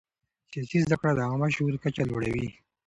سیاسي زده کړه د عامه شعور کچه لوړوي